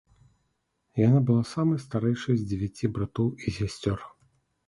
Яна была самай старэйшай з дзевяці братоў і сясцёр.